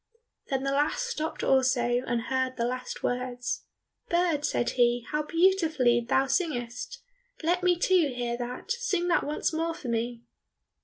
Then the last stopped also, and heard the last words. "Bird," said he, "how beautifully thou singest! Let me, too, hear that. Sing that once more for me."